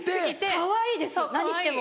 かわいいです何しても。